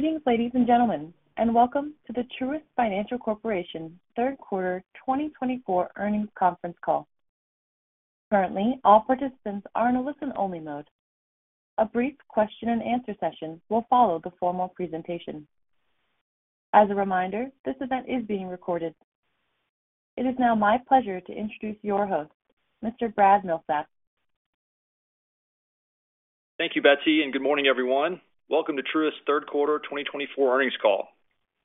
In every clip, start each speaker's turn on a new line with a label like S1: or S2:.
S1: Greetings, ladies and gentlemen, and welcome to the Truist Financial Corporation Q3 2024 earnings conference call. Currently, all participants are in a listen-only mode. A brief question and answer session will follow the formal presentation. As a reminder, this event is being recorded. It is now my pleasure to introduce your host, Mr. Brad Milsaps.
S2: Thank you, Betsy, and good morning, everyone. Welcome to Truist Q3 2024 earnings call.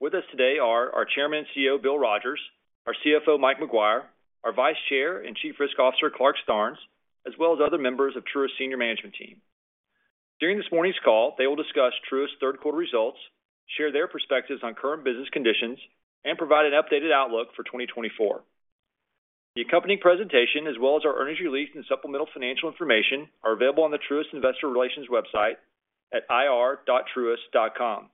S2: With us today are our Chairman and CEO, Bill Rogers, our CFO, Mike Maguire, our Vice Chair and Chief Risk Officer, Clarke Starnes, as well as other members of Truist senior management team. During this morning's call, they will discuss Truist third quarter results, share their perspectives on current business conditions, and provide an updated outlook for 2024. The accompanying presentation, as well as our earnings release and supplemental financial information, are available on the Truist Investor Relations website at ir.truist.com.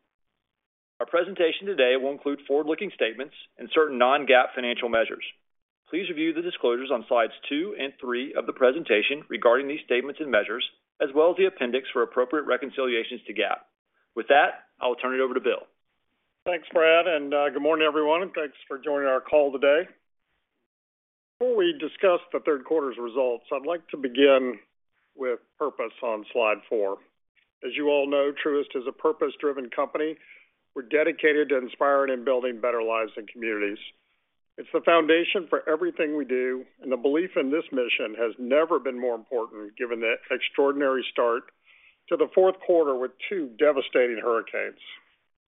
S2: Our presentation today will include forward-looking statements and certain non-GAAP financial measures. Please review the disclosures on slides two and three of the presentation regarding these statements and measures, as well as the appendix for appropriate reconciliations to GAAP. With that, I'll turn it over to Bill.
S3: Thanks, Brad, and good morning, everyone, and thanks for joining our call today. Before we discuss the third quarter's results, I'd like to begin with purpose on slide four. As you all know, Truist is a purpose-driven company. We're dedicated to inspiring and building better lives and communities. It's the foundation for everything we do, and the belief in this mission has never been more important, given the extraordinary start to the fourth quarter with two devastating hurricanes.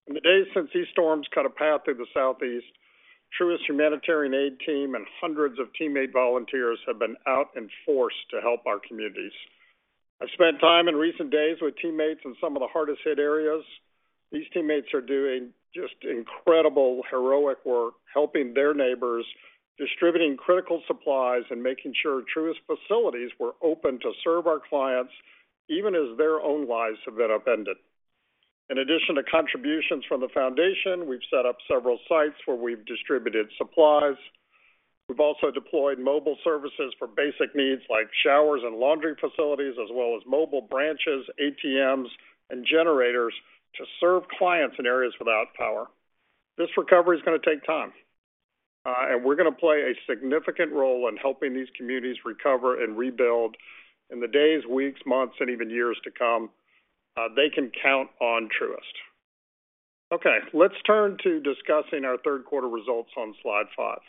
S3: In the days since these storms cut a path through the Southeast, Truist humanitarian aid team and hundreds of teammate volunteers have been out in force to help our communities. I've spent time in recent days with teammates in some of the hardest hit areas. These teammates are doing just incredible, heroic work, helping their neighbors, distributing critical supplies, and making sure Truist facilities were open to serve our clients, even as their own lives have been upended. In addition to contributions from the foundation, we've set up several sites where we've distributed supplies. We've also deployed mobile services for basic needs, like showers and laundry facilities, as well as mobile branches, ATMs, and generators to serve clients in areas without power. This recovery is going to take time, and we're going to play a significant role in helping these communities recover and rebuild in the days, weeks, months, and even years to come. They can count on Truist. Okay, let's turn to discussing our third quarter results on slide five.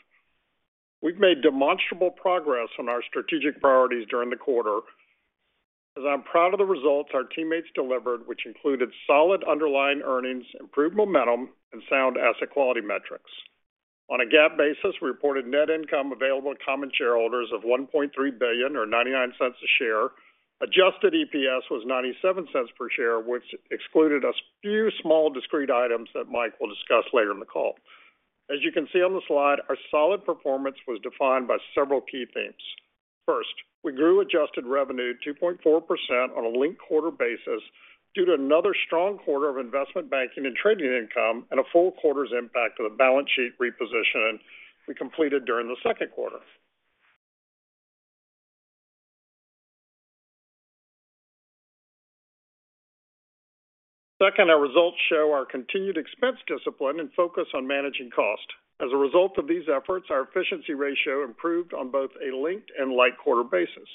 S3: We've made demonstrable progress on our strategic priorities during the quarter, as I'm proud of the results our teammates delivered, which included solid underlying earnings, improved momentum, and sound asset quality metrics. On a GAAP basis, we reported net income available to common shareholders of $1.3 billion or $0.99 per share. Adjusted EPS was $0.97 per share, which excluded a few small discrete items that Mike will discuss later in the call. As you can see on the slide, our solid performance was defined by several key themes. First, we grew adjusted revenue 2.4% on a linked quarter basis due to another strong quarter of investment banking and trading income and a full quarter's impact of the balance sheet reposition we completed during the second quarter. Second, our results show our continued expense discipline and focus on managing cost. As a result of these efforts, our efficiency ratio improved on both a linked and like quarter basis.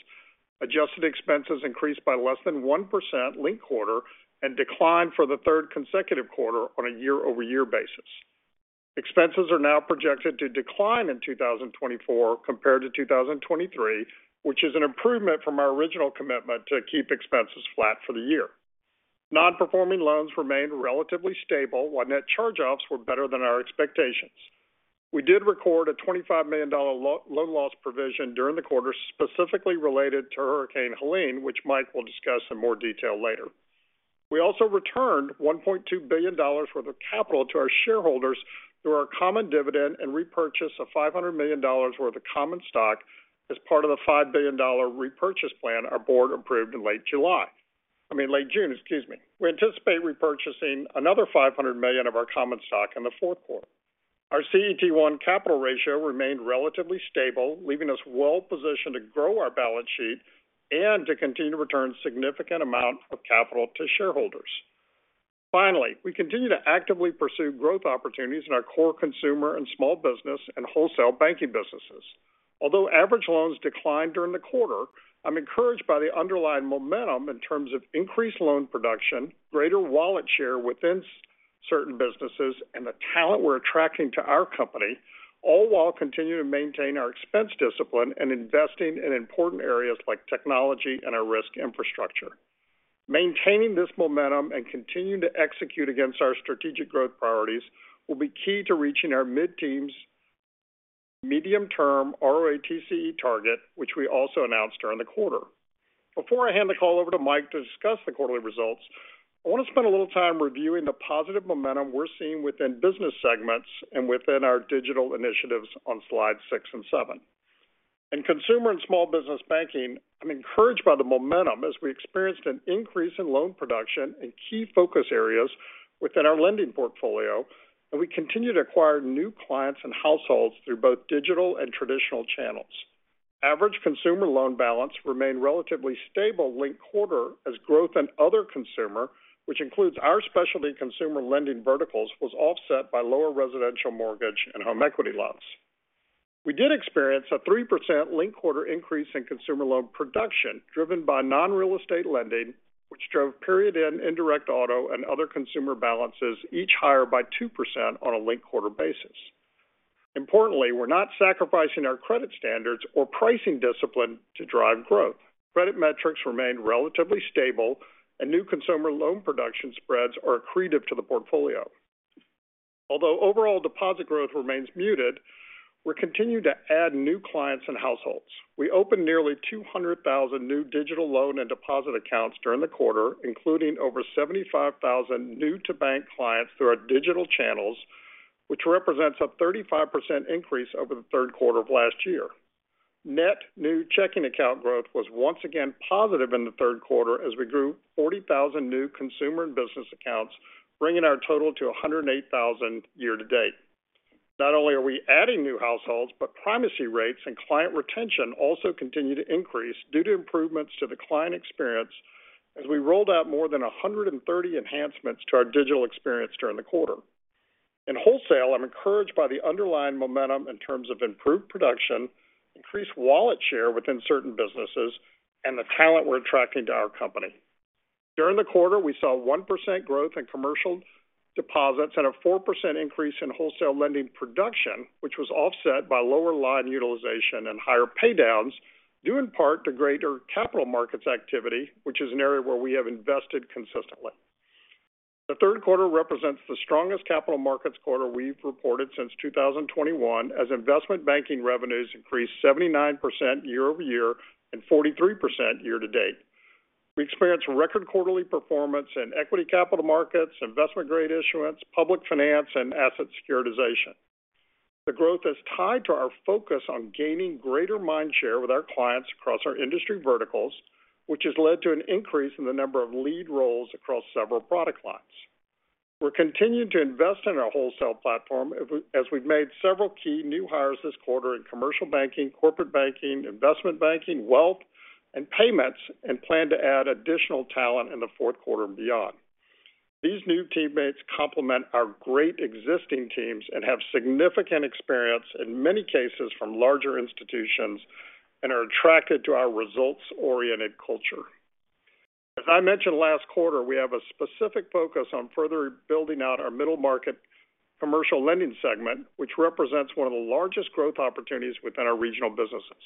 S3: Adjusted expenses increased by less than 1% linked quarter and declined for the third consecutive quarter on a year-over-year basis. Expenses are now projected to decline in 2024 compared to 2023, which is an improvement from our original commitment to keep expenses flat for the year. Non-performing loans remained relatively stable, while net charge-offs were better than our expectations. We did record a $25 million loan loss provision during the quarter, specifically related to Hurricane Helene, which Mike will discuss in more detail later. We also returned $1.2 billion worth of capital to our shareholders through our common dividend and repurchase of $500 million worth of common stock as part of the $5 billion repurchase plan our board approved in late July. I mean, late June, excuse me. We anticipate repurchasing another $500 million of our common stock in the fourth quarter. Our CET1 capital ratio remained relatively stable, leaving us well positioned to grow our balance sheet and to continue to return significant amount of capital to shareholders. Finally, we continue to actively pursue growth opportunities in our core consumer and small business and wholesale banking businesses. Although average loans declined during the quarter, I'm encouraged by the underlying momentum in terms of increased loan production, greater wallet share within certain businesses, and the talent we're attracting to our company, all while continuing to maintain our expense discipline and investing in important areas like technology and our risk infrastructure. Maintaining this momentum and continuing to execute against our strategic growth priorities will be key to reaching our mid-teens medium-term ROATCE target, which we also announced during the quarter. Before I hand the call over to Mike to discuss the quarterly results, I want to spend a little time reviewing the positive momentum we're seeing within business segments and within our digital initiatives on slides six and seven. In consumer and small business banking, I'm encouraged by the momentum as we experienced an increase in loan production in key focus areas within our lending portfolio, and we continue to acquire new clients and households through both digital and traditional channels. Average consumer loan balance remained relatively stable linked quarter as growth in other consumer, which includes our specialty consumer lending verticals, was offset by lower residential mortgage and home equity loans. We did experience a 3% linked quarter increase in consumer loan production, driven by non-real estate lending, which drove period-end indirect auto and other consumer balances, each higher by 2% on a linked quarter basis. Importantly, we're not sacrificing our credit standards or pricing discipline to drive growth. Credit metrics remain relatively stable, and new consumer loan production spreads are accretive to the portfolio. Although overall deposit growth remains muted, we're continuing to add new clients and households. We opened nearly 200,000 new digital loan and deposit accounts during the quarter, including over 75,000 new-to-bank clients through our digital channels, which represents a 35% increase over the third quarter of last year. Net new checking account growth was once again positive in the third quarter as we grew 40,000 new consumer and business accounts, bringing our total to 108,000 year to date. Not only are we adding new households, but primacy rates and client retention also continue to increase due to improvements to the client experience as we rolled out more than 130 enhancements to our digital experience during the quarter. In wholesale, I'm encouraged by the underlying momentum in terms of improved production, increased wallet share within certain businesses, and the talent we're attracting to our company. During the quarter, we saw 1% growth in commercial deposits and a 4% increase in wholesale lending production, which was offset by lower line utilization and higher pay downs, due in part to greater capital markets activity, which is an area where we have invested consistently. The third quarter represents the strongest capital markets quarter we've reported since 2021, as investment banking revenues increased 79% year over year and 43% year to date. We experienced record quarterly performance in equity capital markets, investment-grade issuance, public finance, and asset securitization. The growth is tied to our focus on gaining greater mind share with our clients across our industry verticals, which has led to an increase in the number of lead roles across several product lines. We're continuing to invest in our wholesale platform as we've made several key new hires this quarter in commercial banking, corporate banking, investment banking, wealth and payments, and plan to add additional talent in the fourth quarter and beyond. These new teammates complement our great existing teams and have significant experience, in many cases, from larger institutions, and are attracted to our results-oriented culture. As I mentioned last quarter, we have a specific focus on further building out our middle market commercial lending segment, which represents one of the largest growth opportunities within our regional businesses.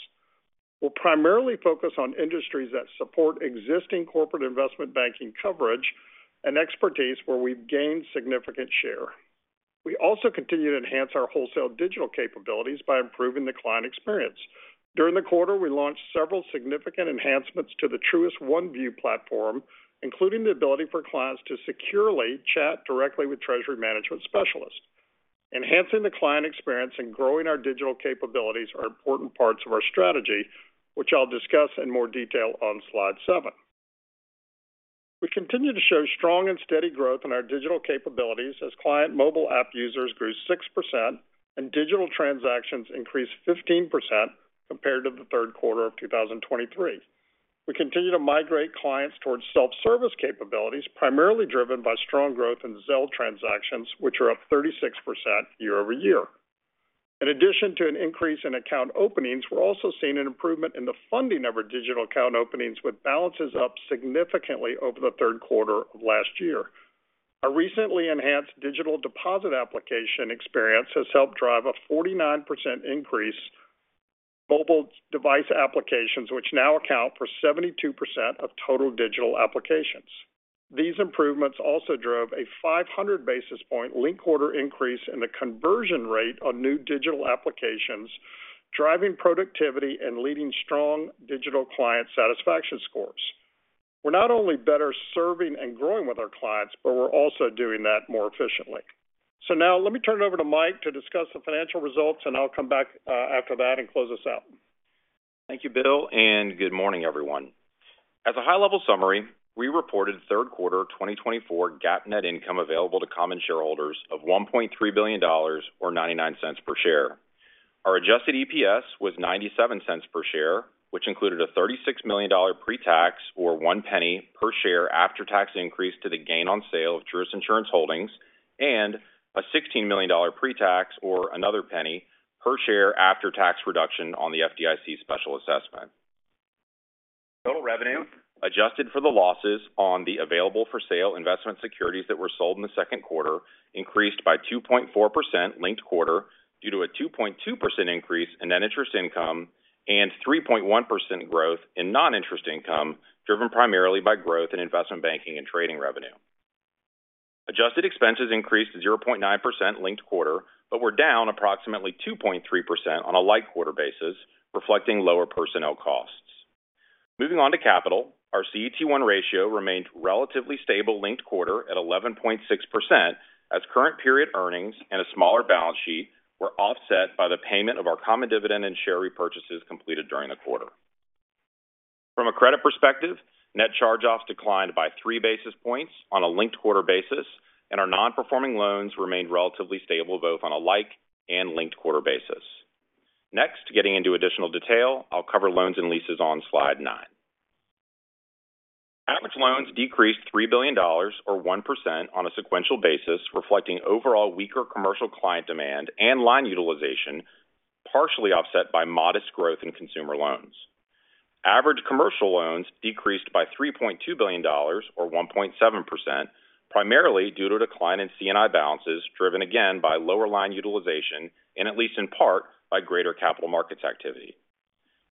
S3: We're primarily focused on industries that support existing corporate investment banking coverage and expertise where we've gained significant share. We also continue to enhance our wholesale digital capabilities by improving the client experience. During the quarter, we launched several significant enhancements to the Truist One View platform, including the ability for clients to securely chat directly with treasury management specialists. Enhancing the client experience and growing our digital capabilities are important parts of our strategy, which I'll discuss in more detail on slide seven. We continue to show strong and steady growth in our digital capabilities as client mobile app users grew 6% and digital transactions increased 15% compared to the third quarter of 2023. We continue to migrate clients towards self-service capabilities, primarily driven by strong growth in Zelle transactions, which are up 36% year over year. In addition to an increase in account openings, we're also seeing an improvement in the funding of our digital account openings, with balances up significantly over the third quarter of last year. Our recently enhanced digital deposit application experience has helped drive a 49% increase mobile device applications, which now account for 72% of total digital applications. These improvements also drove a 500 basis point linked quarter increase in the conversion rate on new digital applications, driving productivity and leading strong digital client satisfaction scores. We're not only better serving and growing with our clients, but we're also doing that more efficiently. So now let me turn it over to Mike to discuss the financial results, and I'll come back, after that and close us out.
S4: Thank you, Bill, and good morning, everyone. As a high-level summary, we reported third quarter of 2024 GAAP net income available to common shareholders of $1.3 billion or $0.99 per share. Our adjusted EPS was $0.97 per share, which included a $36 million pre-tax or $0.01 per share after tax increase to the gain on sale of Truist Insurance Holdings, and a $16 million pre-tax or another $0.01 per share after tax reduction on the FDIC special assessment. Total revenue, adjusted for the losses on the available-for-sale investment securities that were sold in the second quarter, increased by 2.4% linked quarter due to a 2.2% increase in net interest income and 3.1% growth in non-interest income, driven primarily by growth in investment banking and trading revenue. Adjusted expenses increased to 0.9% linked quarter, but were down approximately 2.3% on a like quarter basis, reflecting lower personnel costs. Moving on to capital, our CET1 ratio remained relatively stable linked quarter at 11.6%, as current period earnings and a smaller balance sheet were offset by the payment of our common dividend and share repurchases completed during the quarter. From a credit perspective, net charge-offs declined by three basis points on a linked quarter basis, and our non-performing loans remained relatively stable, both on a like and linked quarter basis. Next, getting into additional detail, I'll cover loans and leases on slide nine. Average loans decreased $3 billion or 1% on a sequential basis, reflecting overall weaker commercial client demand and line utilization, partially offset by modest growth in consumer loans. Average commercial loans decreased by $3.2 billion or 1.7%, primarily due to a decline in C&I balances, driven again by lower line utilization and at least in part, by greater capital markets activity.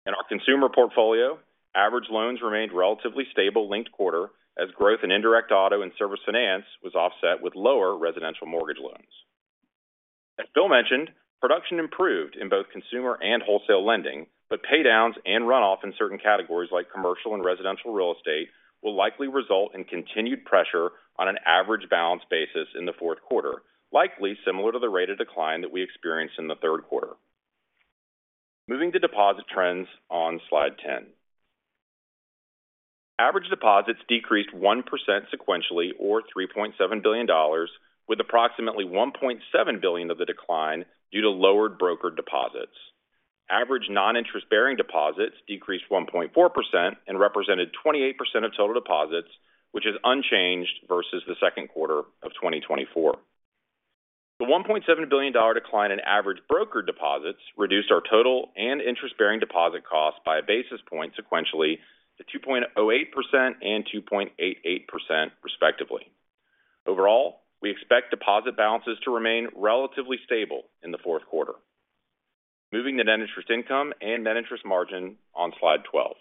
S4: In our consumer portfolio, average loans remained relatively stable, linked quarter, as growth in indirect auto and Service Finance was offset with lower residential mortgage loans. As Bill mentioned, production improved in both consumer and wholesale lending, but pay downs and runoff in certain categories like commercial and residential real estate, will likely result in continued pressure on an average balance basis in the fourth quarter, likely similar to the rate of decline that we experienced in the third quarter. Moving to deposit trends on slide 10. Average deposits decreased 1% sequentially or $3.7 billion, with approximately $1.7 billion of the decline due to lowered brokered deposits. Average non-interest-bearing deposits decreased 1.4% and represented 28% of total deposits, which is unchanged versus the second quarter of 2024. The $1.7 billion dollar decline in average brokered deposits reduced our total and interest-bearing deposit costs by a basis point sequentially to 2.08% and 2.88% respectively. Overall, we expect deposit balances to remain relatively stable in the fourth quarter. Moving to net interest income and net interest margin on slide 12.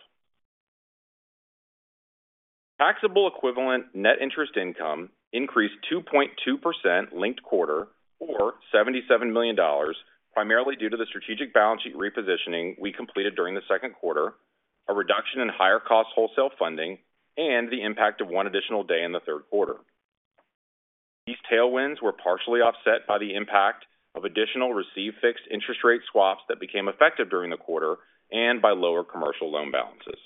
S4: Taxable-equivalent net interest income increased 2.2% linked quarter or $77 million, primarily due to the strategic balance sheet repositioning we completed during the second quarter, a reduction in higher cost wholesale funding, and the impact of one additional day in the third quarter. These tailwinds were partially offset by the impact of additional receive-fixed interest rate swaps that became effective during the quarter and by lower commercial loan balances.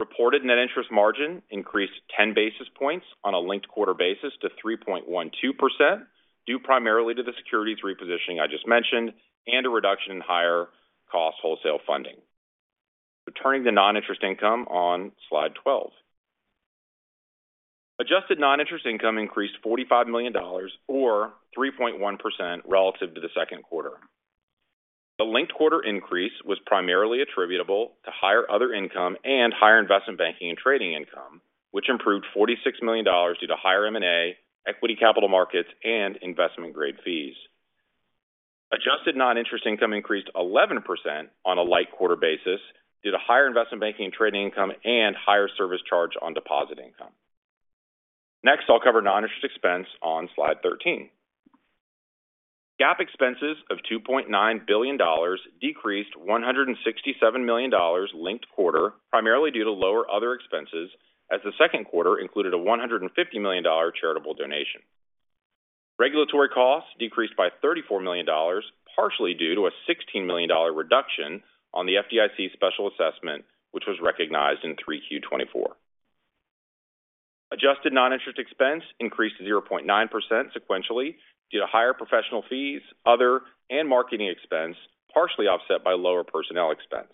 S4: Reported net interest margin increased 10 basis points on a linked quarter basis to 3.12%, due primarily to the securities repositioning I just mentioned and a reduction in higher cost wholesale funding. Returning to non-interest income on slide 12. Adjusted non-interest income increased $45 million or 3.1% relative to the second quarter. The linked quarter increase was primarily attributable to higher other income and higher investment banking and trading income, which improved $46 million due to higher M&A, equity capital markets, and investment-grade fees. Adjusted non-interest income increased 11% on a like quarter basis due to higher investment banking and trading income and higher service charge on deposit income. Next, I'll cover non-interest expense on slide 13. GAAP expenses of $2.9 billion decreased $167 million linked quarter, primarily due to lower other expenses, as the second quarter included a $150 million charitable donation. Regulatory costs decreased by $34 million, partially due to a $16 million reduction on the FDIC special assessment, which was recognized in 3Q 2024. Adjusted non-interest expense increased to 0.9% sequentially due to higher professional fees, other, and marketing expense, partially offset by lower personnel expense.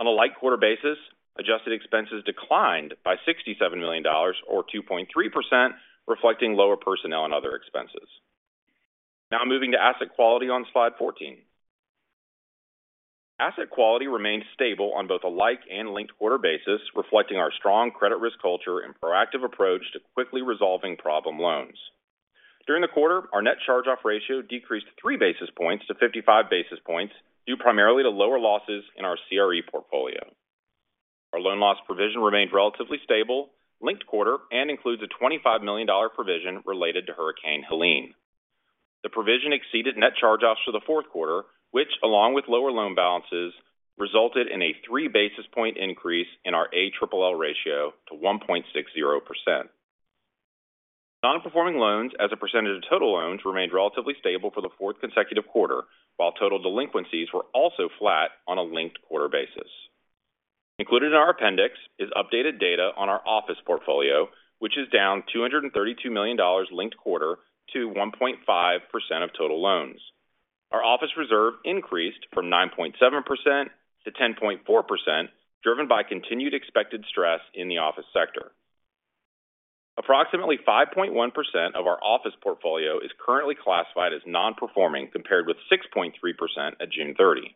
S4: On a like quarter basis, adjusted expenses declined by $67 million or 2.3%, reflecting lower personnel and other expenses. Now moving to asset quality on slide 14. Asset quality remained stable on both a like and linked quarter basis, reflecting our strong credit risk culture and proactive approach to quickly resolving problem loans. During the quarter, our net charge-off ratio decreased three basis points to 55 basis points, due primarily to lower losses in our CRE portfolio. Our loan loss provision remained relatively stable, linked quarter, and includes a $25 million provision related to Hurricane Helene. The provision exceeded net charge-offs for the fourth quarter, which, along with lower loan balances, resulted in a three basis point increase in our ALLL ratio to 1.60%. Non-performing loans as a percentage of total loans remained relatively stable for the fourth consecutive quarter, while total delinquencies were also flat on a linked quarter basis. Included in our appendix is updated data on our office portfolio, which is down $232 million linked quarter to 1.5% of total loans. Our office reserve increased from 9.7%-10.4%, driven by continued expected stress in the office sector. Approximately 5.1% of our office portfolio is currently classified as non-performing, compared with 6.3% at June 30.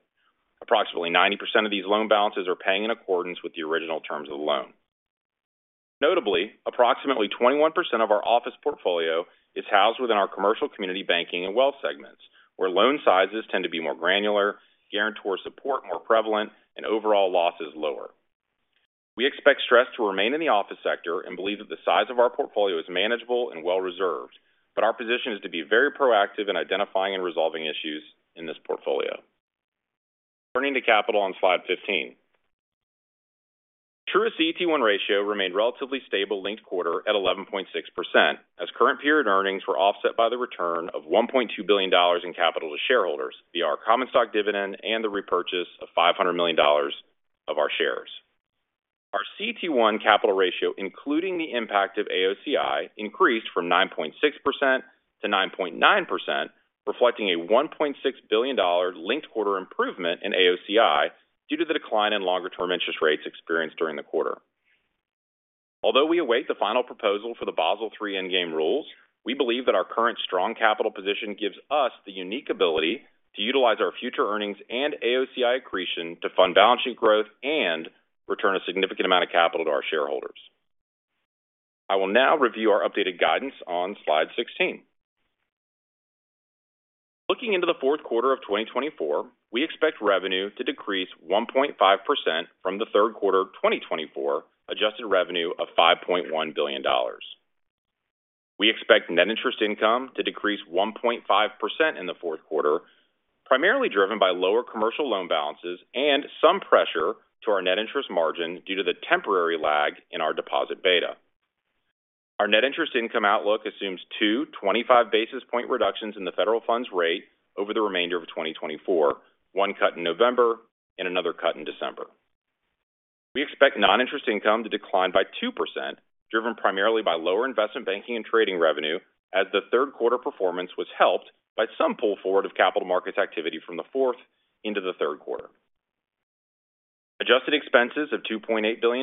S4: Approximately 90% of these loan balances are paying in accordance with the original terms of the loan. Notably, approximately 21% of our office portfolio is housed within our commercial community banking and wealth segments, where loan sizes tend to be more granular, guarantor support more prevalent, and overall losses lower. We expect stress to remain in the office sector and believe that the size of our portfolio is manageable and well reserved, but our position is to be very proactive in identifying and resolving issues in this portfolio. Turning to capital on slide 15. Truist CET1 ratio remained relatively stable linked quarter at 11.6%, as current period earnings were offset by the return of $1.2 billion in capital to shareholders via our common stock dividend and the repurchase of $500 million of our shares. Our CET1 capital ratio, including the impact of AOCI, increased from 9.6%-9.9%, reflecting a $1.6 billion linked quarter improvement in AOCI due to the decline in longer-term interest rates experienced during the quarter. Although we await the final proposal for the Basel III endgame rules, we believe that our current strong capital position gives us the unique ability to utilize our future earnings and AOCI accretion to fund balance sheet growth and return a significant amount of capital to our shareholders. I will now review our updated guidance on slide 16. Looking into the fourth quarter of 2024, we expect revenue to decrease 1.5% from the third quarter of 2024, adjusted revenue of $5.1 billion. We expect net interest income to decrease 1.5% in the fourth quarter, primarily driven by lower commercial loan balances and some pressure to our net interest margin due to the temporary lag in our deposit beta. Our net interest income outlook assumes two 25 basis point reductions in the federal funds rate over the remainder of 2024, one cut in November and another cut in December. We expect non-interest income to decline by 2%, driven primarily by lower investment banking and trading revenue, as the third quarter performance was helped by some pull forward of capital markets activity from the fourth into the third quarter. Adjusted expenses of $2.8 billion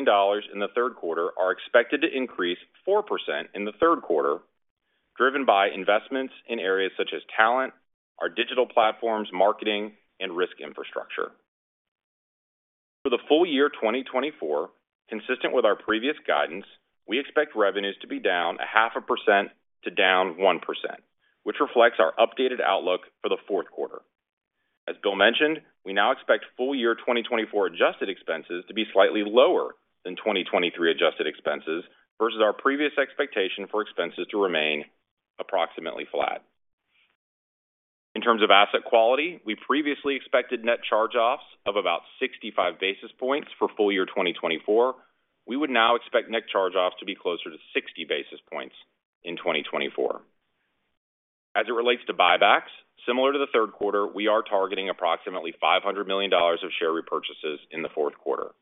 S4: in the third quarter are expected to increase 4% in the third quarter, driven by investments in areas such as talent, our digital platforms, marketing, and risk infrastructure. For the full year 2024, consistent with our previous guidance, we expect revenues to be down 0.5% to down 1%, which reflects our updated outlook for the fourth quarter. As Bill mentioned, we now expect full year 2024 adjusted expenses to be slightly lower than 2023 adjusted expenses versus our previous expectation for expenses to remain approximately flat. In terms of asset quality, we previously expected net charge-offs of about 65 basis points for full year 2024. We would now expect net charge-offs to be closer to 60 basis points in 2024. As it relates to buybacks, similar to the third quarter, we are targeting approximately $500 million of share repurchases in the fourth quarter.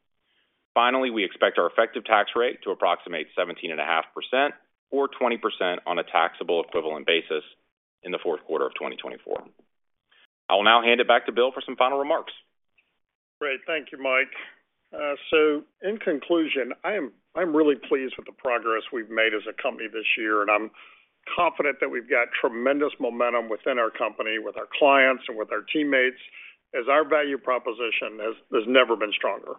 S4: Finally, we expect our effective tax rate to approximate 17.5% or 20% on a taxable equivalent basis in the fourth quarter of 2024. I will now hand it back to Bill for some final remarks.
S3: Great. Thank you, Mike. So in conclusion, I'm really pleased with the progress we've made as a company this year, and I'm confident that we've got tremendous momentum within our company, with our clients and with our teammates, as our value proposition has never been stronger.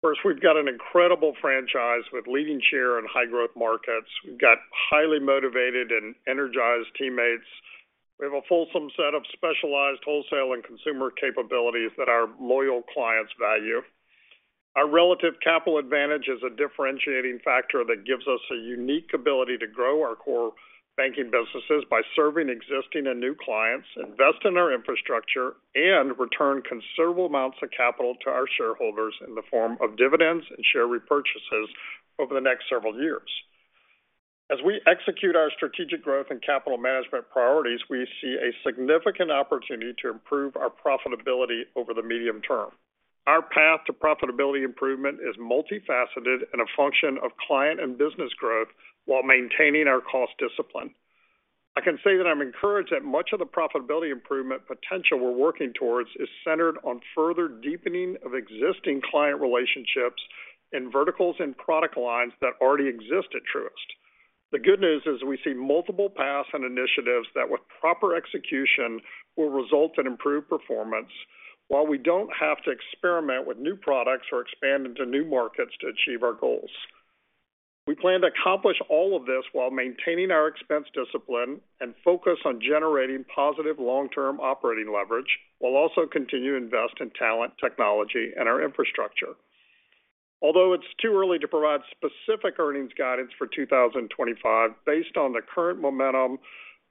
S3: First, we've got an incredible franchise with leading share in high growth markets. We've got highly motivated and energized teammates. We have a fulsome set of specialized wholesale and consumer capabilities that our loyal clients value. Our relative capital advantage is a differentiating factor that gives us a unique ability to grow our core banking businesses by serving existing and new clients, invest in our infrastructure, and return considerable amounts of capital to our shareholders in the form of dividends and share repurchases over the next several years. As we execute our strategic growth and capital management priorities, we see a significant opportunity to improve our profitability over the medium term. Our path to profitability improvement is multifaceted and a function of client and business growth while maintaining our cost discipline. I can say that I'm encouraged that much of the profitability improvement potential we're working towards is centered on further deepening of existing client relationships in verticals and product lines that already exist at Truist. The good news is we see multiple paths and initiatives that, with proper execution, will result in improved performance, while we don't have to experiment with new products or expand into new markets to achieve our goals. We plan to accomplish all of this while maintaining our expense discipline and focus on generating positive long-term operating leverage. We'll also continue to invest in talent, technology, and our infrastructure. Although it's too early to provide specific earnings guidance for 2025, based on the current momentum,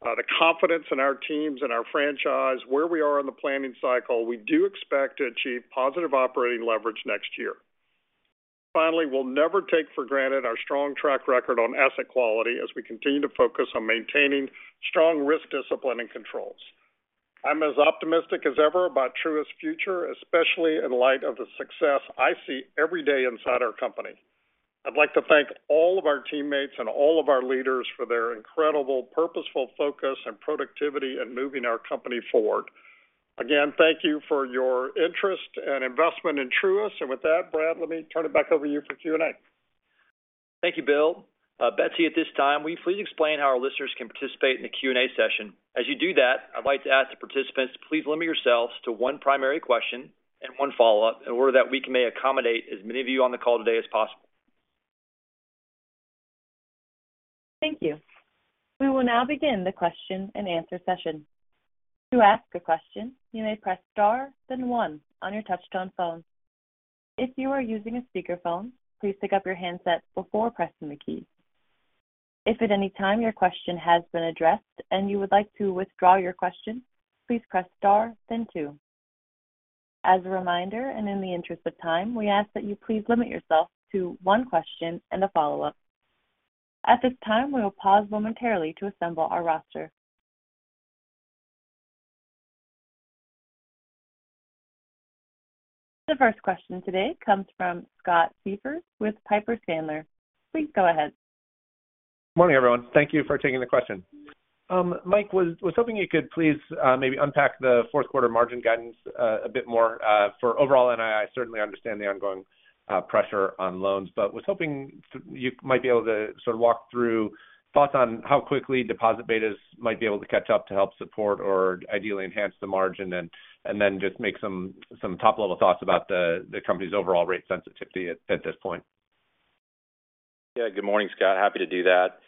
S3: the confidence in our teams and our franchise, where we are in the planning cycle, we do expect to achieve positive operating leverage next year. Finally, we'll never take for granted our strong track record on asset quality as we continue to focus on maintaining strong risk discipline and controls. I'm as optimistic as ever about Truist's future, especially in light of the success I see every day inside our company. I'd like to thank all of our teammates and all of our leaders for their incredible purposeful focus and productivity in moving our company forward. Again, thank you for your interest and investment in Truist. With that, Brad, let me turn it back over to you for Q&A.
S2: Thank you, Bill. Betsy, at this time, will you please explain how our listeners can participate in the Q&A session? As you do that, I'd like to ask the participants to please limit yourselves to one primary question and one follow-up in order that we may accommodate as many of you on the call today as possible.
S1: Thank you. We will now begin the question and answer session. To ask a question, you may press star, then One on your touchtone phone. If you are using a speakerphone, please pick up your handset before pressing the key.... If at any time your question has been addressed and you would like to withdraw your question, please press star, then two. As a reminder, and in the interest of time, we ask that you please limit yourself to one question and a follow-up. At this time, we will pause momentarily to assemble our roster. The first question today comes from Scott Siefers with Piper Sandler. Please go ahead.
S5: Morning, everyone. Thank you for taking the question. Mike, was hoping you could please maybe unpack the fourth quarter margin guidance a bit more for overall NII. I certainly understand the ongoing pressure on loans, but was hoping you might be able to sort of walk through thoughts on how quickly deposit betas might be able to catch up to help support or ideally enhance the margin. And then just make some top-level thoughts about the company's overall rate sensitivity at this point.
S4: Yeah. Good morning, Scott. Happy to do that.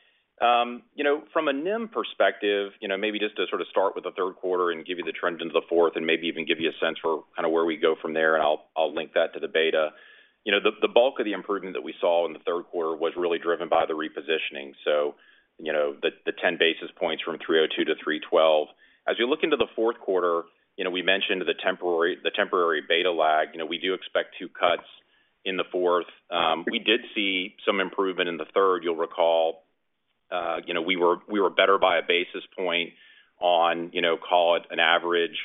S4: You know, from a NIM perspective, you know, maybe just to sort of start with the third quarter and give you the trend into the fourth, and maybe even give you a sense for kind of where we go from there, and I'll link that to the beta. You know, the bulk of the improvement that we saw in the third quarter was really driven by the repositioning. So, you know, the ten basis points from 302-312. As you look into the fourth quarter, you know, we mentioned the temporary beta lag. You know, we do expect two cuts in the fourth. We did see some improvement in the third, you'll recall. You know, we were better by a basis point on, you know, call it an average,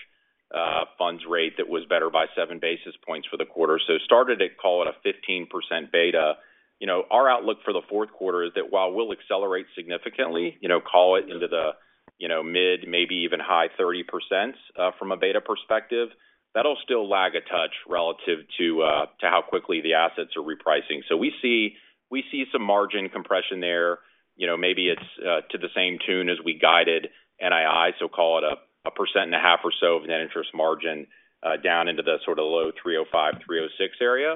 S4: funds rate that was better by seven basis points for the quarter. So started at, call it a 15% beta. You know, our outlook for the fourth quarter is that while we'll accelerate significantly, you know, call it into the, you know, mid, maybe even high 30%s, from a beta perspective, that'll still lag a touch relative to, to how quickly the assets are repricing. So we see some margin compression there. You know, maybe it's to the same tune as we guided NII, so call it a percent and a half or so of net interest margin, down into the sort of low 3.05, 3.06 area.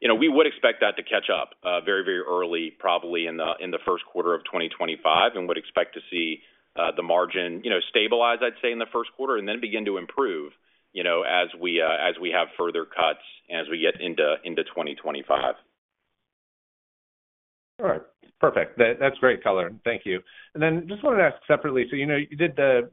S4: You know, we would expect that to catch up very, very early, probably in the first quarter of 2025, and would expect to see the margin, you know, stabilize, I'd say, in the first quarter, and then begin to improve, you know, as we have further cuts as we get into 2025.
S5: All right. Perfect. That's great color. Thank you and then just wanted to ask separately, so you know, you did the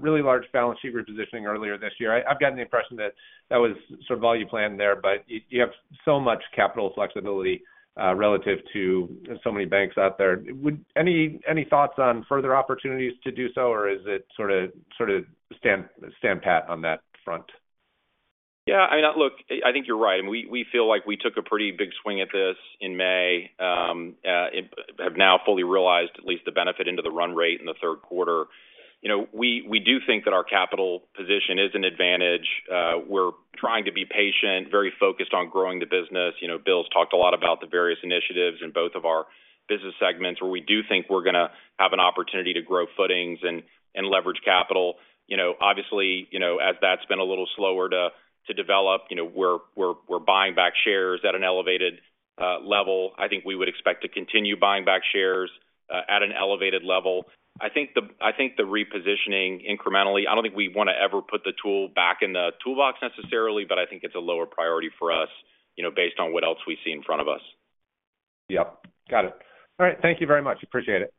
S5: really large balance sheet repositioning earlier this year. I've gotten the impression that that was sort of all you planned there, but you have so much capital flexibility relative to so many banks out there. Would any thoughts on further opportunities to do so, or is it sort of stand pat on that front?
S4: Yeah, I mean, look, I think you're right. I mean, we feel like we took a pretty big swing at this in May, and have now fully realized at least the benefit into the run rate in the third quarter. You know, we do think that our capital position is an advantage. We're trying to be patient, very focused on growing the business. You know, Bill's talked a lot about the various initiatives in both of our business segments, where we do think we're gonna have an opportunity to grow footings and leverage capital. You know, obviously, as that's been a little slower to develop, you know, we're buying back shares at an elevated level. I think we would expect to continue buying back shares at an elevated level. I think the repositioning incrementally. I don't think we want to ever put the tool back in the toolbox necessarily, but I think it's a lower priority for us, you know, based on what else we see in front of us.
S5: Yep. Got it. All right. Thank you very much. Appreciate it.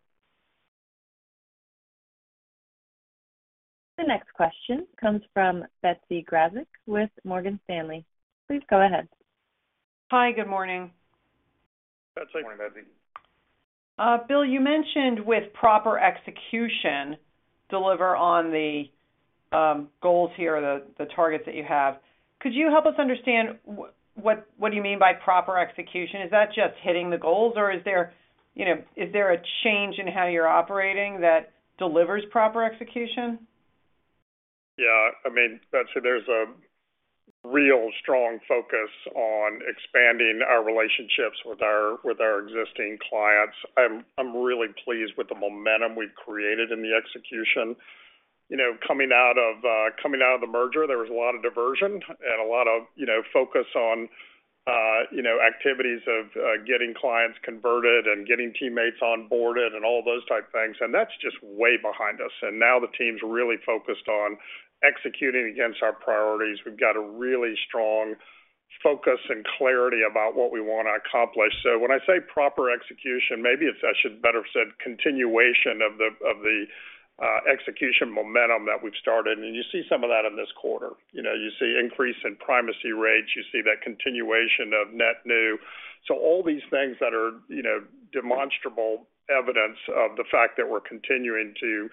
S1: The next question comes from Betsy Graseck with Morgan Stanley. Please go ahead.
S6: Hi, good morning.
S3: Good morning, Betsy.
S6: Bill, you mentioned with proper execution, deliver on the goals here, or the targets that you have. Could you help us understand what do you mean by proper execution? Is that just hitting the goals, or is there, you know, is there a change in how you're operating that delivers proper execution?
S3: Yeah, I mean, Betsy, there's a real strong focus on expanding our relationships with our existing clients. I'm really pleased with the momentum we've created in the execution. You know, coming out of the merger, there was a lot of diversion and a lot of, you know, focus on activities of getting clients converted and getting teammates onboarded and all those type of things, and that's just way behind us, and now the team's really focused on executing against our priorities. We've got a really strong focus and clarity about what we want to accomplish. So when I say proper execution, maybe it's I should better have said continuation of the execution momentum that we've started, and you see some of that in this quarter. You know, you see increase in primacy rates, you see that continuation of net new. So all these things that are, you know, demonstrable evidence of the fact that we're continuing to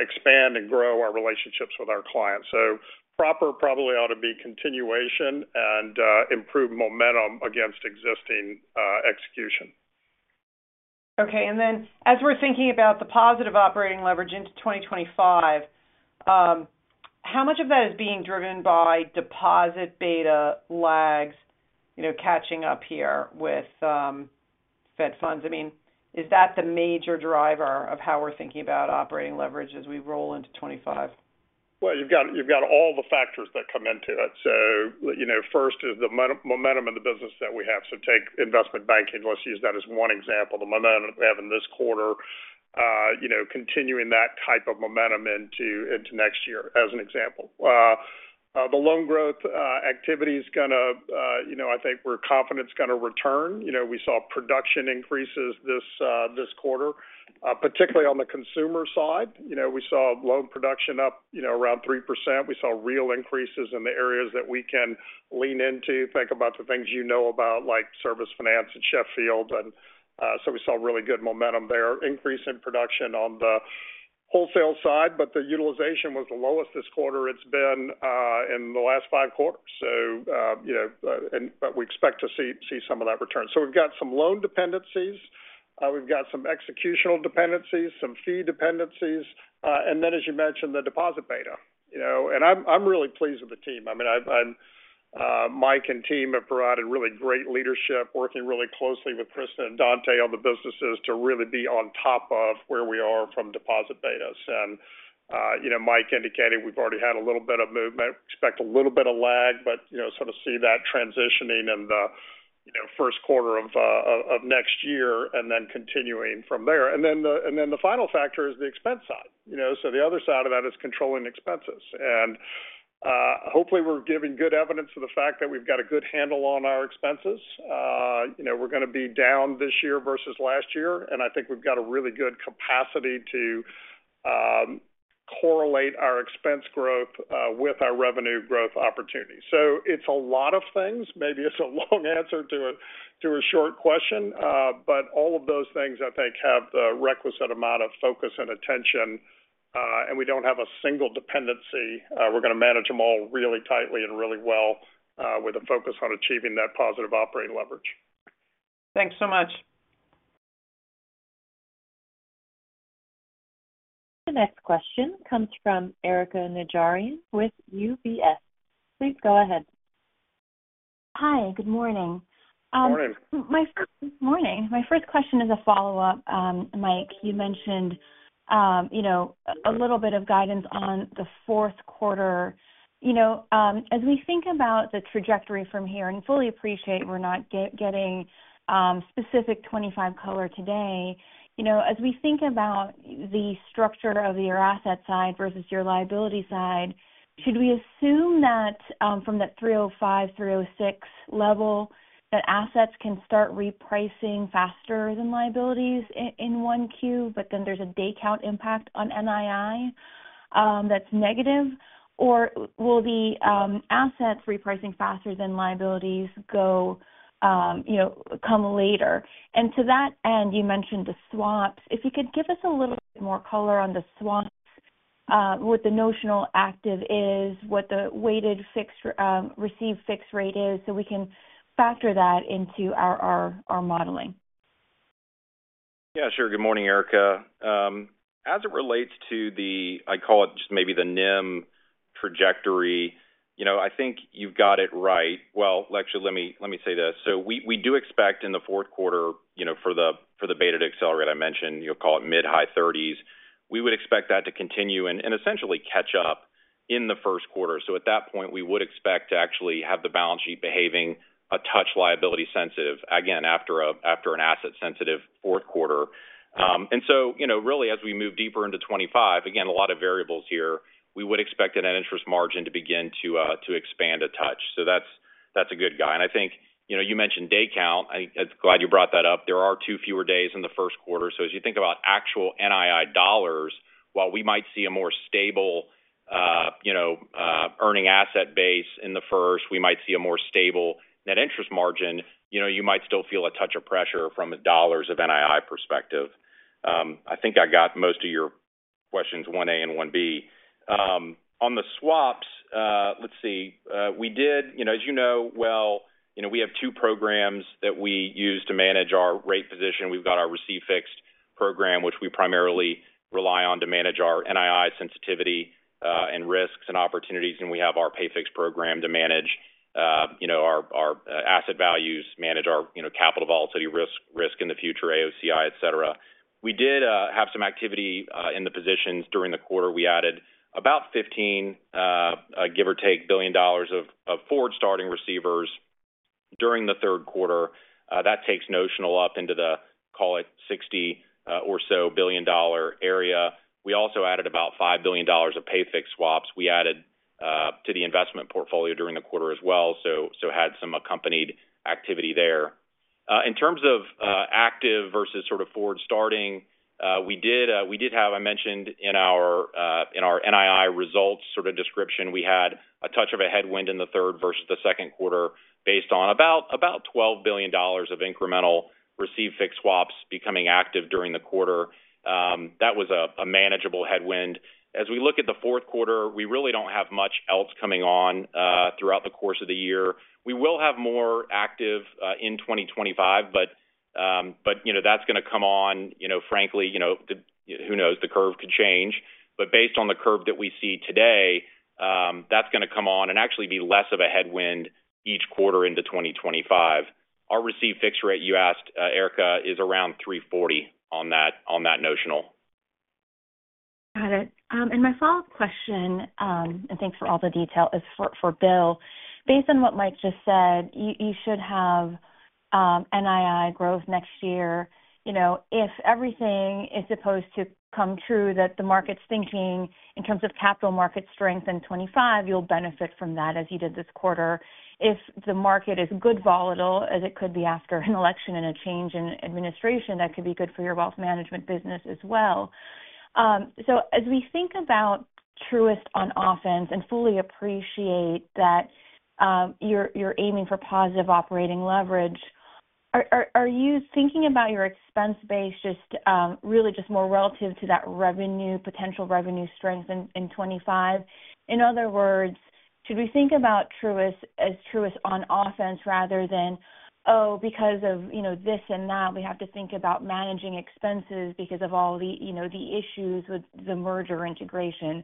S3: expand and grow our relationships with our clients. So proper probably ought to be continuation and improved momentum against existing execution.
S6: Okay. And then, as we're thinking about the positive operating leverage into 2025, how much of that is being driven by deposit beta lags, you know, catching up here with Fed funds? I mean, is that the major driver of how we're thinking about operating leverage as we roll into 2025?
S3: Well, you've got, you've got all the factors that come into it. So, you know, first is the momentum in the business that we have. So take investment banking. Let's use that as one example. The momentum we have in this quarter, you know, continuing that type of momentum into, into next year, as an example. The loan growth activity is gonna, you know, I think we're confident it's gonna return. You know, we saw production increases this quarter, particularly on the consumer side. You know, we saw loan production up, you know, around 3%. We saw real increases in the areas that we can lean into. Think about the things you know about, like Service Finance and Sheffield, and so we saw really good momentum there. Increase in production on the wholesale side, but the utilization was the lowest this quarter it's been in the last five quarters. So, you know, and but we expect to see some of that return. So we've got some loan dependencies, we've got some executional dependencies, some fee dependencies, and then, as you mentioned, the deposit beta. You know, and I'm really pleased with the team. I mean, Mike and team have provided really great leadership, working really closely with Kristin and Dontá on the businesses to really be on top of where we are from deposit betas. And, you know, Mike indicated we've already had a little bit of movement. We expect a little bit of lag, but, you know, sort of see that transitioning in the, you know, first quarter of next year and then continuing from there. And then the final factor is the expense side. You know, so the other side of that is controlling expenses. And, hopefully, we're giving good evidence of the fact that we've got a good handle on our expenses. You know, we're gonna be down this year versus last year, and I think we've got a really good capacity to correlate our expense growth with our revenue growth opportunities. So it's a lot of things. Maybe it's a long answer to a short question, but all of those things, I think, have the requisite amount of focus and attention, and we don't have a single dependency. We're gonna manage them all really tightly and really well, with a focus on achieving that positive operating leverage.
S1: Thanks so much. The next question comes from Erika Najarian with UBS. Please go ahead.
S7: Hi, good morning.
S3: Morning.
S7: Good morning. My first question is a follow-up. Mike, you mentioned, you know, a little bit of guidance on the fourth quarter. You know, as we think about the trajectory from here, and fully appreciate we're not getting specific 2025 color today, you know, as we think about the structure of your asset side versus your liability side, should we assume that, from that 305, 306 level, that assets can start repricing faster than liabilities in 1Q, but then there's a day count impact on NII that's negative? Or will the assets repricing faster than liabilities go, you know, come later? And to that end, you mentioned the swaps. If you could give us a little bit more color on the swaps, what the notional amount is, what the weighted fixed receive-fixed rate is, so we can factor that into our modeling.
S4: Yeah, sure. Good morning, Erika. As it relates to the, I call it just maybe the NIM trajectory, you know, I think you've got it right. Well, actually, let me say this: so we do expect in the fourth quarter, you know, for the, for the beta to accelerate. I mentioned, you'll call it mid-high thirties. We would expect that to continue and essentially catch up in the first quarter. So at that point, we would expect to actually have the balance sheet behaving a touch liability sensitive, again, after an asset-sensitive fourth quarter. And so, you know, really, as we move deeper into 2025, again, a lot of variables here, we would expect that net interest margin to begin to expand a touch. So that's a good guide. And I think, you know, you mentioned day count. Glad you brought that up. There are two fewer days in the first quarter. So as you think about actual NII dollars, while we might see a more stable, you know, earning asset base in the first, we might see a more stable net interest margin, you know, you might still feel a touch of pressure from a dollars of NII perspective. I think I got most of your questions 1a and 1b. On the swaps, let's see. We did, you know, as you know well, you know, we have two programs that we use to manage our rate position.
S8: We've got our receive-fixed program, which we primarily rely on to manage our NII sensitivity, and risks and opportunities, and we have our pay-fixed program to manage, you know, our asset values, manage our, you know, capital volatility risk in the future, AOCI, et cetera. We did have some activity in the positions during the quarter. We added about 15, give or take, billion dollars of forward-starting receivers during the third quarter. That takes notional up into the, call it, 60 or so billion dollar area. We also added about five billion dollars of pay-fixed swaps. We added to the investment portfolio during the quarter as well, so had some accompanied activity there. In terms of active versus sort of forward starting, we did have. I mentioned in our NII results sort of description, we had a touch of a headwind in the third versus the second quarter, based on about $12 billion of incremental receive-fixed swaps becoming active during the quarter. That was a manageable headwind. As we look at the fourth quarter, we really don't have much else coming on throughout the course of the year. We will have more active in 2025, but you know, that's gonna come on, you know, frankly, you know, the, who knows, the curve could change. But based on the curve that we see today, that's gonna come on and actually be less of a headwind each quarter into 2025. Our receive-fixed rate, you asked, Erika, is around 3.40 on that notional.
S7: Got it. And my follow-up question, and thanks for all the detail, is for Bill. Based on what Mike just said, you should have NII growth next year, you know, if everything is supposed to come true, that the market's thinking in terms of capital market strength in 2025, you'll benefit from that as you did this quarter. If the market is good volatile as it could be after an election and a change in administration, that could be good for your wealth management business as well. So as we think about Truist on offense and fully appreciate that, you're aiming for positive operating leverage, are you thinking about your expense base just, really just more relative to that revenue, potential revenue strength in 2025? In other words, should we think about Truist as Truist on offense rather than, oh, because of, you know, this and that, we have to think about managing expenses because of all the, you know, the issues with the merger integration.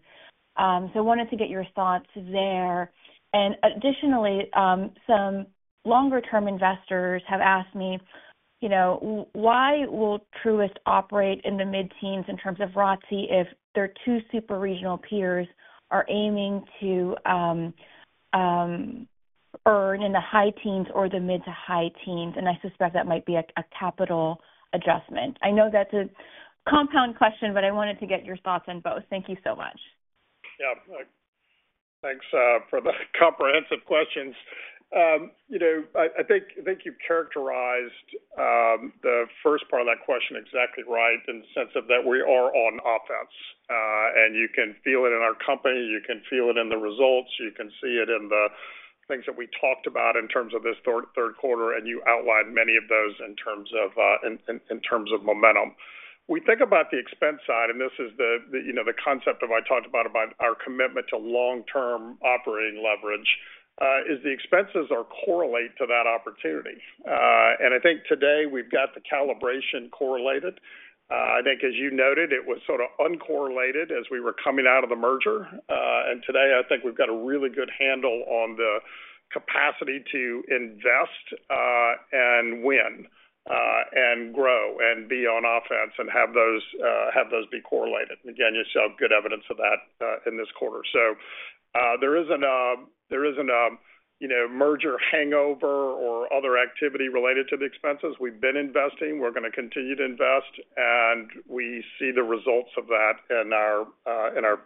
S7: So wanted to get your thoughts there. And additionally, some longer-term investors have asked me, you know, why will Truist operate in the mid-teens in terms of ROTCE, if their two super regional peers are aiming to earn in the high teens or the mid to high teens? And I suspect that might be a capital adjustment. I know that's a compound question, but I wanted to get your thoughts on both. Thank you so much.
S3: Yeah. Thanks for the comprehensive questions. You know, I think you've characterized the first part of that question exactly right, in the sense of that we are on offense. And you can feel it in our company, you can feel it in the results, you can see it in the things that we talked about in terms of this third quarter, and you outlined many of those in terms of momentum. We think about the expense side, and this is the, you know, the concept that I talked about, about our commitment to long-term operating leverage, is the expenses are correlated to that opportunity. And I think today we've got the calibration correlated. I think as you noted, it was sort of uncorrelated as we were coming out of the merger. And today, I think we've got a really good handle on the capacity to invest, and win, and grow and be on offense and have those be correlated. Again, you saw good evidence of that, in this quarter. So, there isn't a, you know, merger hangover or other activity related to the expenses. We've been investing. We're going to continue to invest, and we see the results of that in our, in our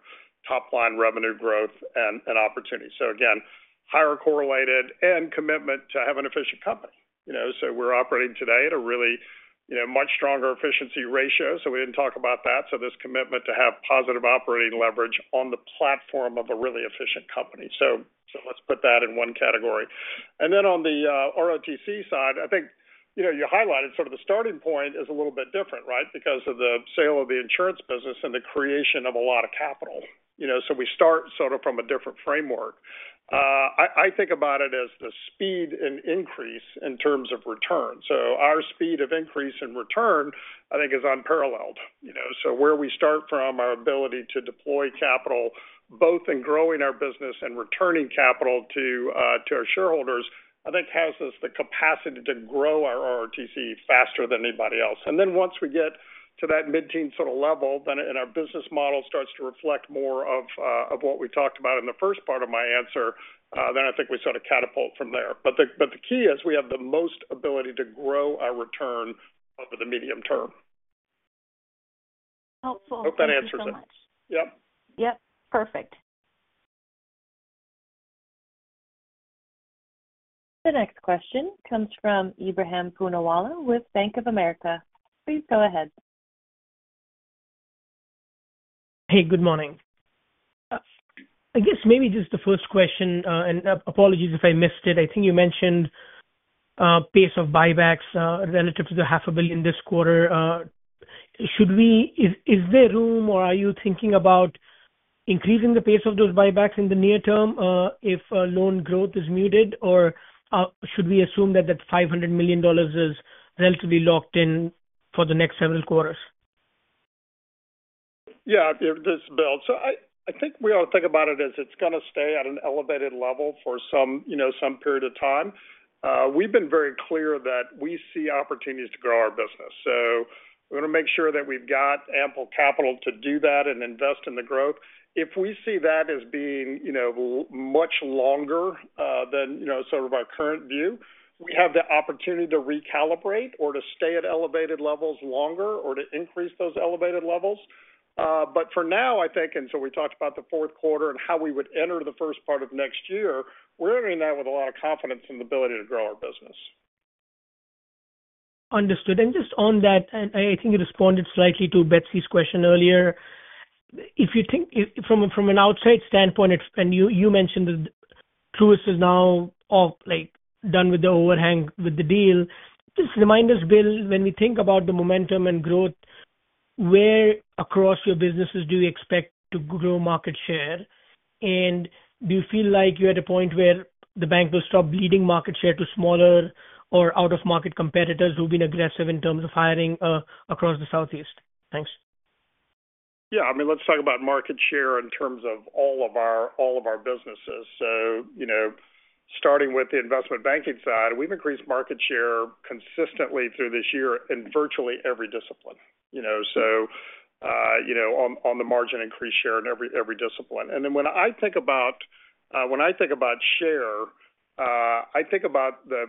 S3: top line revenue growth and opportunity. So again, higher correlated and commitment to have an efficient company. You know, so we're operating today at a really, you know, much stronger efficiency ratio. So we didn't talk about that. So this commitment to have positive operating leverage on the platform of a really efficient company. So let's put that in one category. And then on the ROTCE side, I think, you know, you highlighted sort of the starting point is a little bit different, right? Because of the sale of the insurance business and the creation of a lot of capital. You know, so we start sort of from a different framework. I think about it as the speed and increase in terms of return. So our speed of increase in return, I think, is unparalleled, you know. So where we start from, our ability to deploy capital, both in growing our business and returning capital to our shareholders, I think has us the capacity to grow our ROATCE faster than anybody else. Then once we get to that mid-teen sort of level, then our business model starts to reflect more of what we talked about in the first part of my answer, then I think we sort of catapult from there. But the key is we have the most ability to grow our return over the medium term.
S7: Helpful.
S3: Hope that answers it.
S7: Thank you so much.
S3: Yep.
S7: Yep, perfect.
S1: The next question comes from Ebrahim Poonawala with Bank of America. Please go ahead.
S9: Hey, good morning. I guess maybe just the first question, and apologies if I missed it. I think you mentioned pace of buybacks relative to the $500 million this quarter. Is there room or are you thinking about increasing the pace of those buybacks in the near term, if loan growth is muted? Or should we assume that $500 million is relatively locked in for the next several quarters?
S3: Yeah, this is Bill. So I think we all think about it as it's going to stay at an elevated level for some, you know, some period of time. We've been very clear that we see opportunities to grow our business. So we're going to make sure that we've got ample capital to do that and invest in the growth. If we see that as being, you know, much longer than, you know, sort of our current view, we have the opportunity to recalibrate or to stay at elevated levels longer or to increase those elevated levels. But for now, I think, and so we talked about the fourth quarter and how we would enter the first part of next year, we're entering that with a lot of confidence in the ability to grow our business.
S9: Understood. And just on that, and I think you responded slightly to Betsy's question earlier. If you think from an outside standpoint, and you mentioned that Truist is now off, like, done with the overhang with the deal. Just remind us, Bill, when we think about the momentum and growth, where across your businesses do you expect to grow market share? And do you feel like you're at a point where the bank will stop losing market share to smaller or out of market competitors who've been aggressive in terms of hiring across the Southeast? Thanks.
S3: Yeah, I mean, let's talk about market share in terms of all of our businesses. So, you know, starting with the investment banking side, we've increased market share consistently through this year in virtually every discipline. You know, so, you know, on the margin, increase share in every discipline. And then when I think about share, I think about the